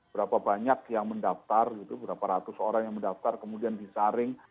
berapa banyak yang mendaftar gitu berapa ratus orang yang mendaftar kemudian disaring